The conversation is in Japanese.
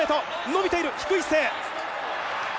伸びている低い姿勢。